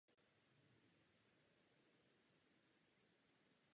Byl členem četných místních spolků.